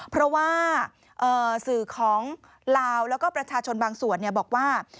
เพราะว่าสื่อของลาวแล้วก็ประชาชนบางส่วนบอกว่า